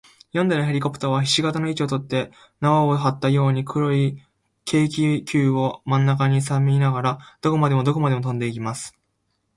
四台のヘリコプターは、ひし形の位置をとって、綱をはったように、黒い軽気球をまんなかにはさみながら、どこまでもどこまでもとんでいきます。